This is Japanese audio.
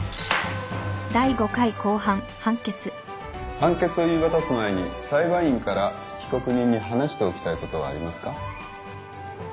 判決を言い渡す前に裁判員から被告人に話しておきたいことはありますか。